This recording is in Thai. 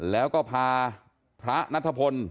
แล้วก็พาพระนัทพล